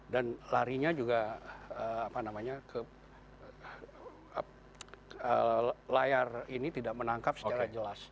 dan larinya juga apa namanya ke layar ini tidak menangkap secara jelas